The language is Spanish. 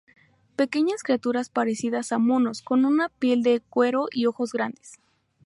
Pequeñas criaturas parecidas a monos con una piel de cuero y ojos grandes.